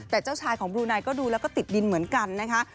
แต่เจ้าชายของบลูไนก็ดูแล้วก็ติดดินเหมือนกันนะคะ